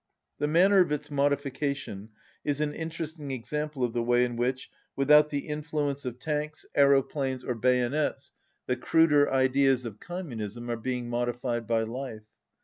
The manner of its modification is an interesting example of the way in which, without the influence of tanks, aero 171 planes or bayonets, the cruder ideas of communism are being modified by life.